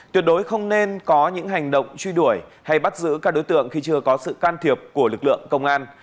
tuyệt đối không nên có những hành động truy đuổi hay bắt giữ các đối tượng khi chưa có sự can thiệp của lực lượng công an